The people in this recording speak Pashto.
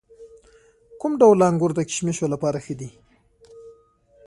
کوم ډول انګور د کشمشو لپاره ښه دي؟